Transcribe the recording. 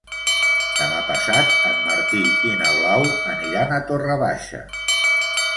Demà passat en Martí i na Blau aniran a Torre Baixa.